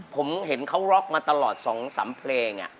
ผมเห็นเขาร็อกมาตลอด๒๓เพลง